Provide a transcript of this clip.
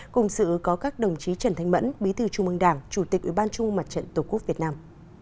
cùng sự có các đồng chí trần thanh mẫn bí thư trung mương đảng chủ tịch ủy ban trung mương mặt trận tổ quốc việt nam